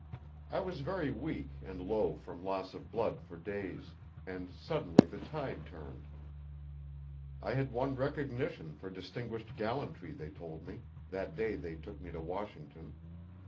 I was very weak and low from loss of blood for days, and, suddenly, the tide turned. I had won recognition for distinguished gallantry they told me that day they took me to Washington.